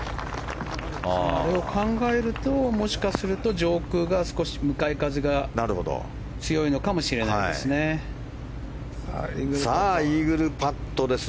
あれを考えるともしかすると上空が少し向かい風が強いのかもしれないですね。